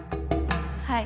はい。